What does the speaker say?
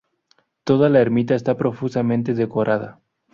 Toda la Ermita está profusamente decorada.